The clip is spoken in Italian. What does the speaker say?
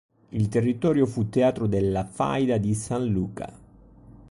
Il territorio fu teatro della Faida di San Luca.